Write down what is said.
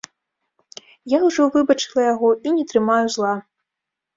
Я ўжо выбачыла яго і не трымаю зла.